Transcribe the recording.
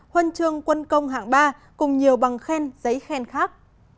huần trường quân công hạng ba cùng nhiều bằng khen giấy khen khác